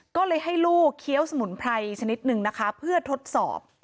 ก็เลยให้ลูกเคี้ยวสมุนไพรชนิดนึงนะคะเพื่อทดสอบ